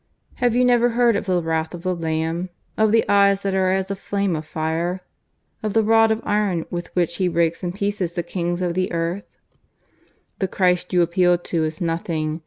Have you never heard of the wrath of the Lamb? of the eyes that are as a flame of fire? of the rod of iron with which He breaks in pieces the kings of the earth? ... The Christ you appeal to is nothing.